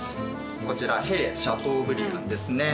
こちらヘレシャトーブリアンですね。